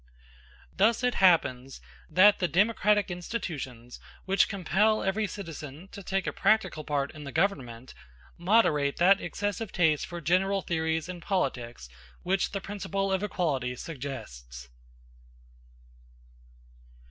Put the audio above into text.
Thus it happens, that the democratic institutions which compel every citizen to take a practical part in the government, moderate that excessive taste for general theories in politics which the principle of equality suggests.